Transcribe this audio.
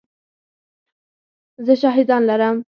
زه شاهدان لرم !